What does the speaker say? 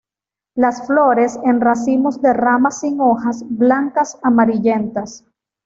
Las flores en racimos de ramas sin hojas, blancas amarillentas.